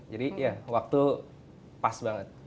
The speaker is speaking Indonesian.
jadi ya waktu pas banget